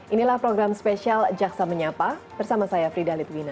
inilah program spesial jaksa menyapa bersama saya frida litwina